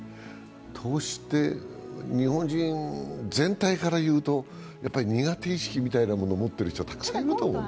投資って日本人全体から言うと、苦手意識みたいなものを持っている人、たくさんいると思う。